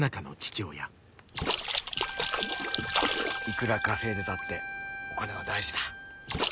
いくら稼いでたってお金は大事だ。